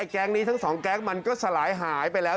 แก๊งนี้ทั้งสองแก๊งมันก็สลายหายไปแล้ว